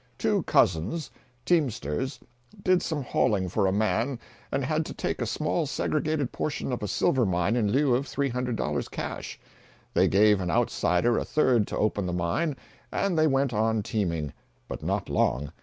Two cousins, teamsters, did some hauling for a man and had to take a small segregated portion of a silver mine in lieu of $300 cash. They gave an outsider a third to open the mine, and they went on teaming. But not long.